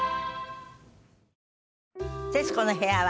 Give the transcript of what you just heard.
『徹子の部屋』は